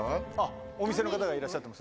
お店の方がいらっしゃってる。